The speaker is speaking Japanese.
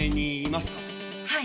はい。